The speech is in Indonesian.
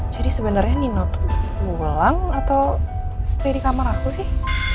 jadi sebenarnya nino tuh pulang atau stay di kamar aku sih